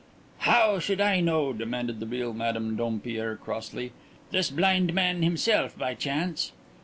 "How should I know?" demanded the real Madame Dompierre crossly. "This blind man himself, by chance."